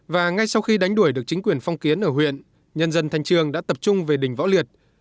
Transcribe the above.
và ngay sau khi đánh đuổi được chính quyền phong kiến ở huyện nhân dân thanh trương đã tập trung về đỉnh võ liệt